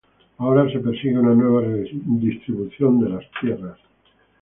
Ahora se persigue una nueva redistribución de las tierras.